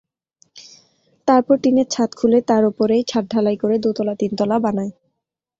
তারপর টিনের ছাদ খুলে তার ওপরেই ছাদ ঢালাই করে দোতলা-তিনতলা বানায়।